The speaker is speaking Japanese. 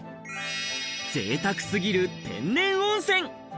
ぜいたく過ぎる天然温泉！